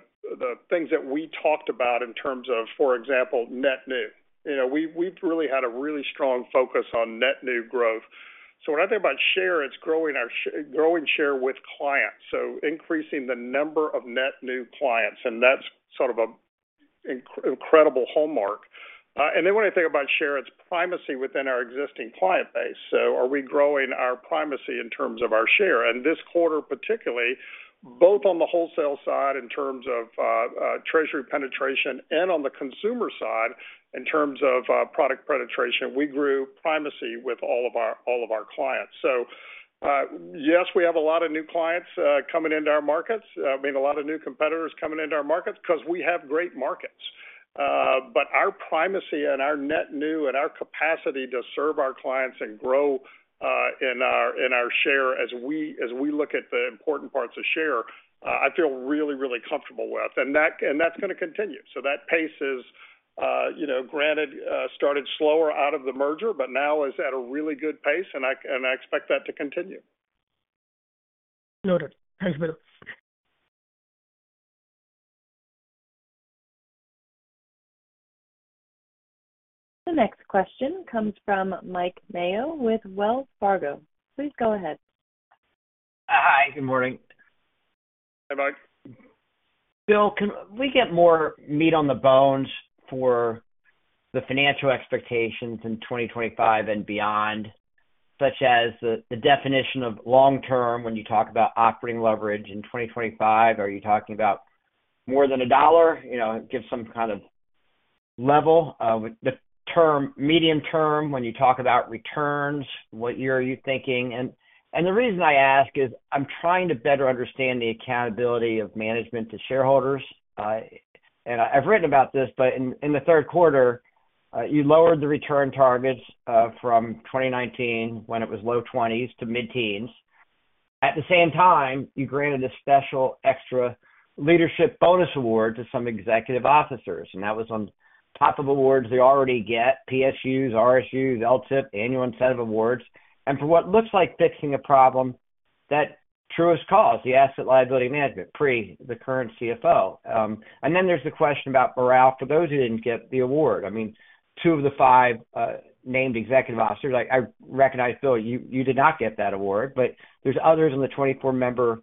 S3: things that we talked about in terms of, for example, net new. You know, we've really had a really strong focus on net new growth. So when I think about share, it's growing our share with clients, so increasing the number of net new clients, and that's sort of an incredible hallmark. And then when I think about share, it's primacy within our existing client base. So are we growing our primacy in terms of our share? And this quarter, particularly, both on the wholesale side in terms of treasury penetration and on the consumer side, in terms of product penetration, we grew primacy with all of our clients. So, yes, we have a lot of new clients coming into our markets. I mean, a lot of new competitors coming into our markets because we have great markets. But our primacy and our net new and our capacity to serve our clients and grow in our share as we look at the important parts of share, I feel really, really comfortable with, and that's going to continue. So that pace is, you know, granted, started slower out of the merger, but now is at a really good pace, and I expect that to continue.
S1: Noted. Thanks, Bill. The next question comes from Mike Mayo with Wells Fargo. Please go ahead.
S8: Hi, good morning.
S3: Hi, Mike.
S8: Bill, can we get more meat on the bones for the financial expectations in 2025 and beyond, such as the definition of long term when you talk about operating leverage in 2025? Are you talking about more than a dollar? You know, give some kind of level of the term medium term, when you talk about returns, what year are you thinking? And the reason I ask is I'm trying to better understand the accountability of management to shareholders. And I've written about this, but in the third quarter, you lowered the return targets from 2019 when it was low twenties to mid-teens. At the same time, you granted a special extra leadership bonus award to some executive officers, and that was on top of awards they already get, PSUs, RSUs, LTIP, annual incentive awards. For what looks like fixing a problem that Truist caused, the asset liability management, pre the current CFO. And then there's the question about morale for those who didn't get the award. I mean, two of the five named executive officers I recognize, Bill, you did not get that award, but there's others on the 24-member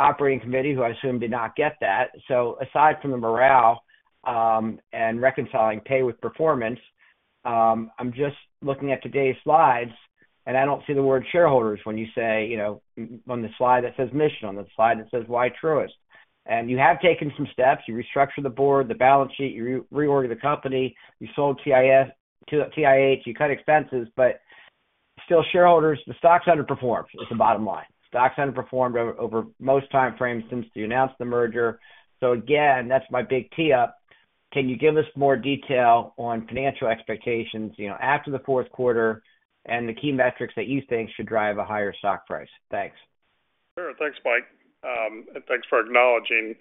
S8: Operating Committee who I assume did not get that. So aside from the morale, and reconciling pay with performance, I'm just looking at today's slides, and I don't see the word shareholders when you say, you know, on the slide that says mission, on the slide that says, why Truist? And you have taken some steps. You restructured the board, the balance sheet, you reordered the company, you sold TIH, you cut expenses, but still shareholders, the stock's underperformed is the bottom line. Stock's underperformed over most time frames since you announced the merger. So again, that's my big tee up. Can you give us more detail on financial expectations, you know, after the fourth quarter and the key metrics that you think should drive a higher stock price? Thanks.
S3: Sure. Thanks, Mike. And thanks for acknowledging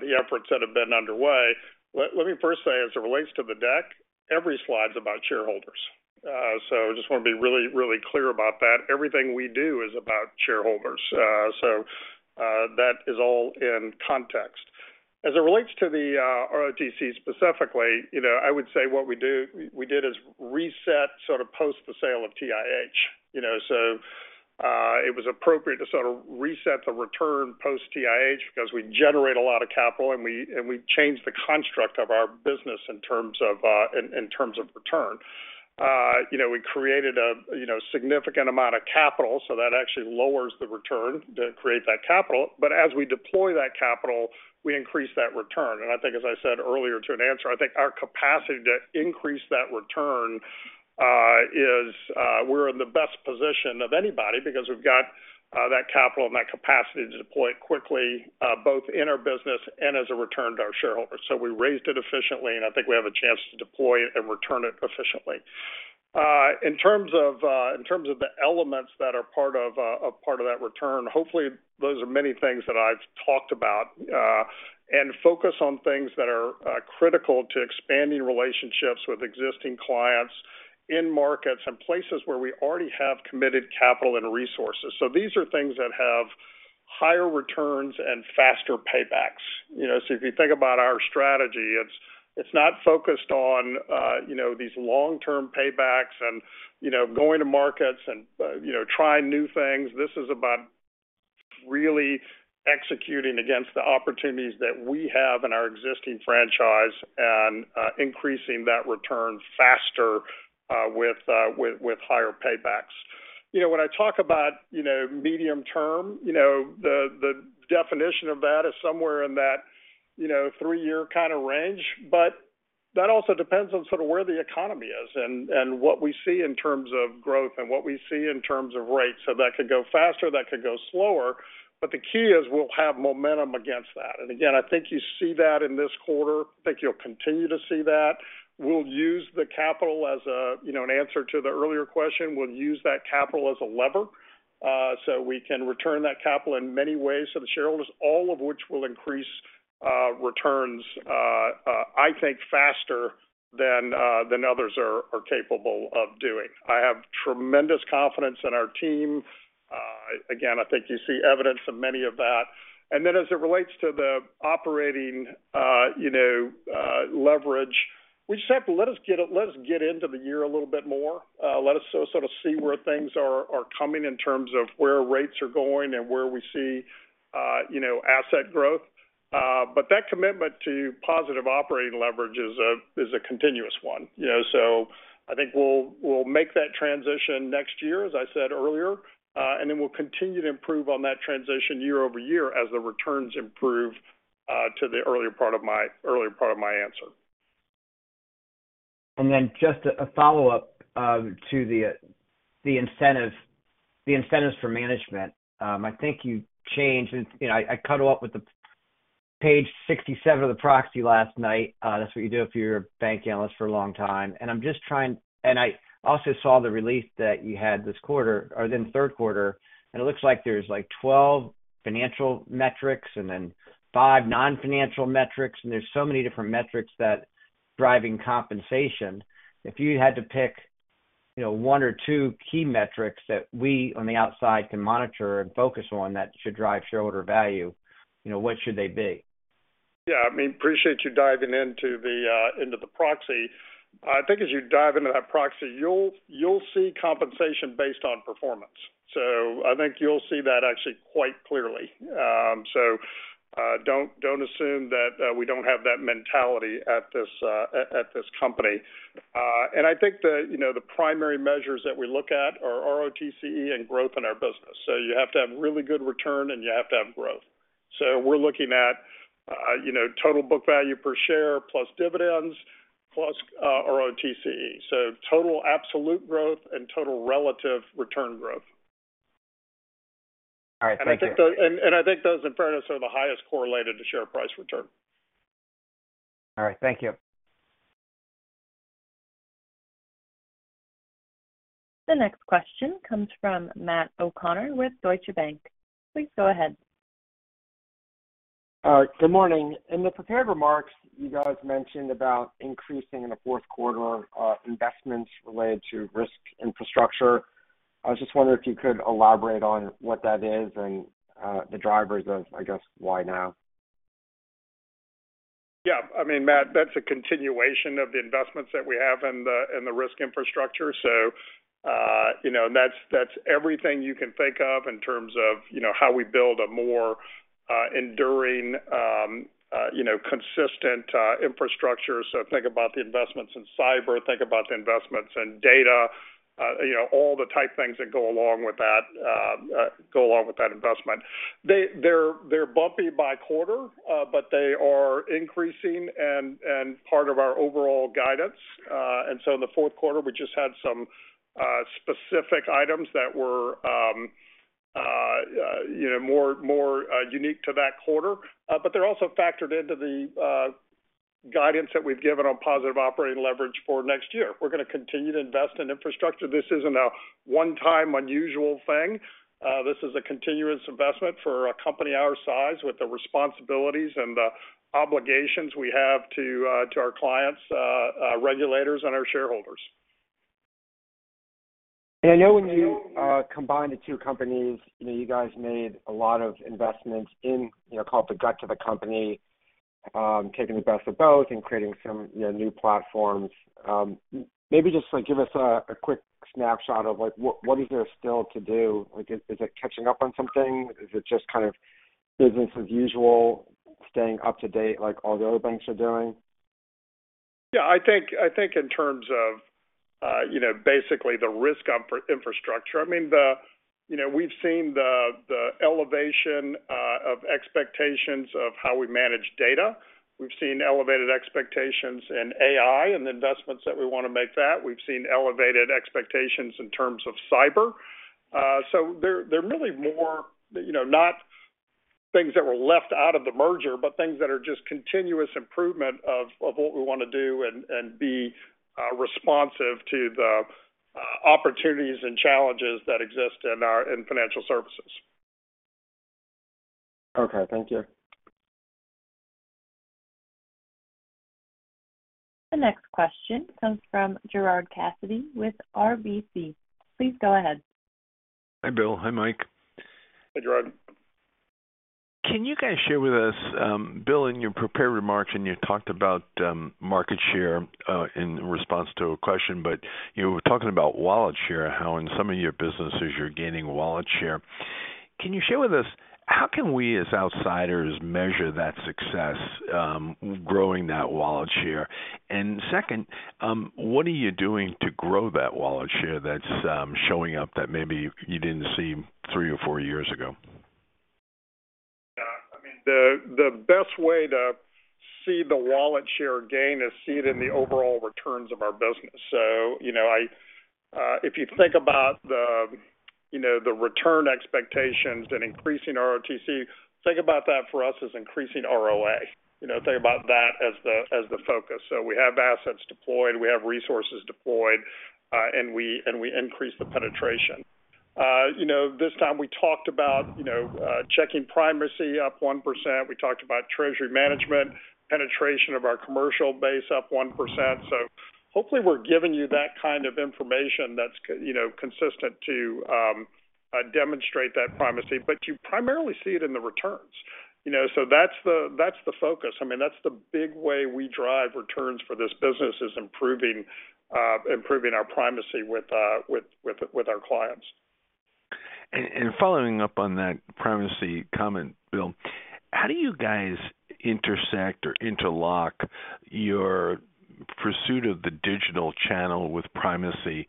S3: the efforts that have been underway. Let me first say, as it relates to the deck, every slide is about shareholders. So I just want to be really, really clear about that. Everything we do is about shareholders. So, that is all in context. As it relates to the ROATCE specifically, you know, I would say what we did is reset, sort of post the sale of TIH. You know, so it was appropriate to sort of reset the return post TIH because we generate a lot of capital and we've changed the construct of our business in terms of return. You know, we created a significant amount of capital, so that actually lowers the return to create that capital. But as we deploy that capital, we increase that return. And I think, as I said earlier to an answer, I think our capacity to increase that return is. We're in the best position of anybody because we've got that capital and that capacity to deploy it quickly, both in our business and as a return to our shareholders. So we raised it efficiently, and I think we have a chance to deploy it and return it efficiently. In terms of the elements that are part of that return, hopefully those are many things that I've talked about and focus on things that are critical to expanding relationships with existing clients in markets and places where we already have committed capital and resources. So these are things that have higher returns and faster paybacks. You know, so if you think about our strategy, it's not focused on, you know, these long-term paybacks and, you know, going to markets and, you know, trying new things. This is about really executing against the opportunities that we have in our existing franchise and, increasing that return faster, with higher paybacks. You know, when I talk about, you know, medium term, you know, the definition of that is somewhere in that, you know, three-year kind of range, but that also depends on sort of where the economy is and what we see in terms of growth and what we see in terms of rates. So that could go faster, that could go slower, but the key is we'll have momentum against that. And again, I think you see that in this quarter. I think you'll continue to see that. We'll use the capital as a, you know, an answer to the earlier question. We'll use that capital as a lever, so we can return that capital in many ways to the shareholders, all of which will increase returns, I think faster than others are capable of doing. I have tremendous confidence in our team. Again, I think you see evidence of many of that. And then as it relates to the operating, you know, leverage, we just have to let us get into the year a little bit more. Let us sort of see where things are coming in terms of where rates are going and where we see, you know, asset growth. But that commitment to positive operating leverage is a continuous one, you know? So I think we'll make that transition next year, as I said earlier, and then we'll continue to improve on that transition year over year as the returns improve, to the earlier part of my answer.
S8: And then just a follow-up to the incentives for management. I think you changed, and, you know, I caught up with the page sixty-seven of the proxy last night. That's what you do if you're a bank analyst for a long time. And I'm just trying, and I also saw the release that you had this quarter, or the third quarter, and it looks like there's like twelve financial metrics and then five non-financial metrics, and there's so many different metrics that's driving compensation. If you had to pick, you know, one or two key metrics that we on the outside can monitor and focus on that should drive shareholder value, you know, what should they be?
S3: Yeah, I mean, appreciate you diving into the proxy. I think as you dive into that proxy, you'll see compensation based on performance. So I think you'll see that actually quite clearly. So, don't assume that we don't have that mentality at this company. And I think you know, the primary measures that we look at are ROTCE and growth in our business. So you have to have really good return, and you have to have growth. So we're looking at total book value per share, plus dividends, plus ROTCE. So total absolute growth and total relative return growth.
S8: All right. Thank you.
S3: I think those, in fairness, are the highest correlated to share price return.
S8: All right, thank you.
S1: The next question comes from Matt O'Connor with Deutsche Bank. Please go ahead.
S10: Good morning. In the prepared remarks, you guys mentioned about increasing in the fourth quarter investments related to risk infrastructure. I was just wondering if you could elaborate on what that is and the drivers of, I guess, why now?
S3: Yeah, I mean, Matt, that's a continuation of the investments that we have in the risk infrastructure. So you know, and that's everything you can think of in terms of, you know, how we build a more enduring, you know, consistent infrastructure. So think about the investments in cyber, think about the investments in data, you know, all the type things that go along with that, go along with that investment. They're bumpy by quarter, but they are increasing and part of our overall guidance. And so in the fourth quarter, we just had some specific items that were, you know, more unique to that quarter. But they're also factored into the guidance that we've given on positive operating leverage for next year. We're gonna continue to invest in infrastructure. This isn't a one-time unusual thing. This is a continuous investment for a company our size, with the responsibilities and the obligations we have to our clients, regulators, and our shareholders.
S10: And I know when you combined the two companies, you know, you guys made a lot of investments in, you know, called the gutting of the company, taking the best of both and creating some, you know, new platforms. Maybe just, like, give us a quick snapshot of, like, what is there still to do? Like, is it catching up on something? Is it just kind of business as usual, staying up to date like all the other banks are doing?
S3: Yeah, I think, I think in terms of, you know, basically the risk on infrastructure, I mean, the, you know, we've seen the, the elevation, of expectations of how we manage data. We've seen elevated expectations in AI and the investments that we want to make that. We've seen elevated expectations in terms of cyber. So they're, they're really more, you know, not things that were left out of the merger, but things that are just continuous improvement of, of what we want to do and, and be, responsive to the, opportunities and challenges that exist in our, in financial services.
S10: Okay. Thank you.
S1: The next question comes from Gerard Cassidy with RBC. Please go ahead.
S11: Hi, Bill. Hi, Mike.
S3: Hi, Gerard.
S11: Can you guys share with us, Bill, in your prepared remarks, and you talked about market share in response to a question, but you were talking about wallet share, how in some of your businesses you're gaining wallet share? Can you share with us, how can we, as outsiders, measure that success, growing that wallet share? And second, what are you doing to grow that wallet share that's showing up that maybe you didn't see three or four years ago?
S3: Yeah, I mean, the best way to see the wallet share gain is see it in the overall returns of our business. So you know, if you think about the, you know, the return expectations and increasing ROTCE, think about that for us as increasing ROA. You know, think about that as the, as the focus. So we have assets deployed, we have resources deployed, and we increase the penetration. You know, this time we talked about, you know, checking primacy up 1%. We talked about treasury management, penetration of our commercial base up 1%. So hopefully, we're giving you that kind of information that's consistent, you know, to demonstrate that primacy, but you primarily see it in the returns. You know, so that's the, that's the focus. I mean, that's the big way we drive returns for this business, is improving our primacy with our clients.
S11: Following up on that primacy comment, Bill, how do you guys intersect or interlock your pursuit of the digital channel with primacy?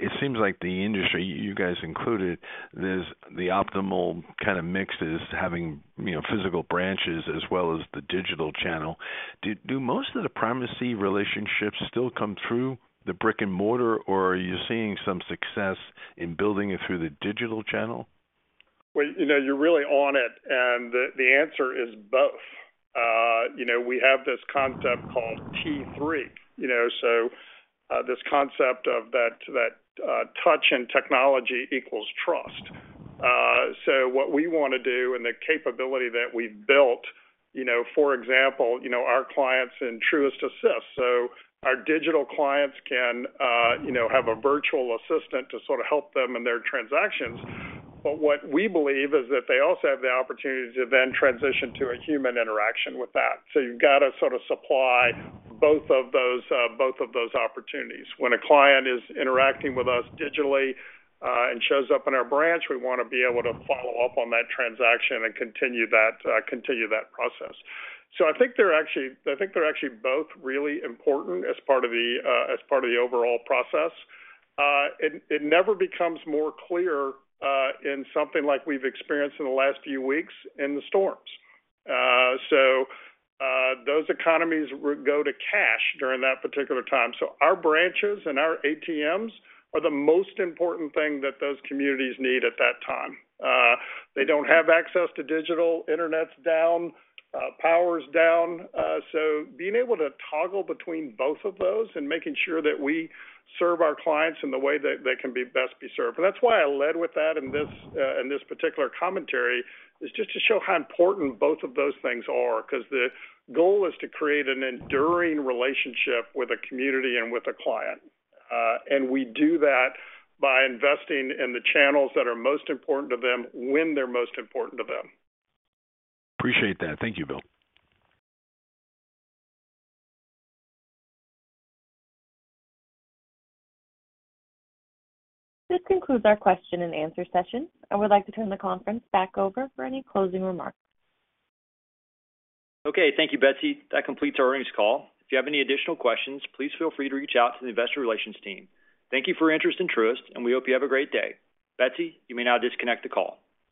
S11: It seems like the industry, you guys included, there's the optimal kind of mix is having, you know, physical branches as well as the digital channel. Do most of the primacy relationships still come through the brick-and-mortar, or are you seeing some success in building it through the digital channel?
S3: Well, you know, you're really on it, and the answer is both. You know, we have this concept called T3, you know, so this concept of touch and technology equals trust, so what we want to do and the capability that we've built, you know, for example, you know, our clients in Truist Assist, so our digital clients can, you know, have a virtual assistant to sort of help them in their transactions, but what we believe is that they also have the opportunity to then transition to a human interaction with that, so you've got to sort of supply both of those opportunities. When a client is interacting with us digitally and shows up in our branch, we want to be able to follow up on that transaction and continue that process. So I think they're actually both really important as part of the overall process. It never becomes more clear in something like we've experienced in the last few weeks in the storms. So those economies go to cash during that particular time. So our branches and our ATMs are the most important thing that those communities need at that time. They don't have access to digital, internet's down, power's down. So being able to toggle between both of those and making sure that we serve our clients in the way that they can be best served. And that's why I led with that in this particular commentary, is just to show how important both of those things are, 'cause the goal is to create an enduring relationship with a community and with a client. And we do that by investing in the channels that are most important to them when they're most important to them.
S11: Appreciate that. Thank you, Bill.
S1: This concludes our question and answer session. I would like to turn the conference back over for any closing remarks.
S2: Okay, thank you, Betsy. That completes our earnings call. If you have any additional questions, please feel free to reach out to the investor relations team. Thank you for your interest in Truist, and we hope you have a great day. Betsy, you may now disconnect the call.